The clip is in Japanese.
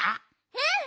うん！